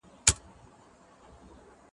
د حبيب او محبوب د محبت نتايج بيان سوي دي.